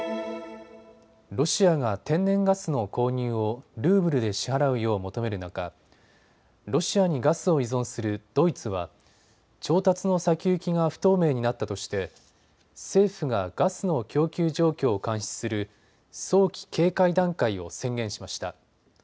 ロシアが天然ガスの購入をルーブルで支払うよう求める中、ロシアにガスを依存するドイツは調達の先行きが不透明になったとして政府がガスの供給状況を監視する早期警戒段階を宣言しました。